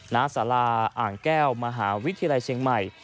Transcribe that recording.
ณสาราอ่างแก้วมหาวิทยาลัยเชียงใหม่